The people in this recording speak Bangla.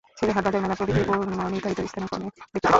ছেলে হাট, বাজার, মেলা প্রভৃতি পূর্বনির্ধারিত স্থানে কনে দেখতে যান।